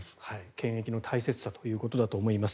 検疫の大切さということだと思います。